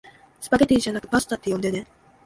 スパゲティじゃなくパスタって呼んでね